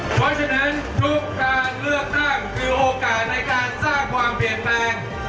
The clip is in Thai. เพราะฉะนั้นทุกการเลือกตั้งคือโอกาสในการสร้างความเปลี่ยนแปลง